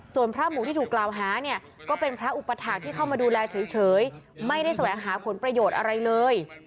ส่วนพระหมูที่ถูกกล่าวหาเนี่ยก็เป็นพระอุปถาคที่เข้ามาดูแลเฉยไม่ได้แสวงหาผลประโยชน์อะไรเลย